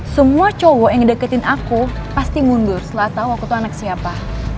coba cowok yang deketin aku pasti mundur setelah tau aku tuh anak siapa